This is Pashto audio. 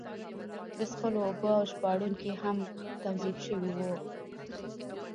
د څښلو اوبه او ژباړونکي هم توظیف شوي وو.